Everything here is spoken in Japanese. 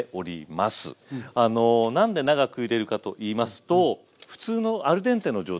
何で長くゆでるかと言いますと普通のアルデンテの状態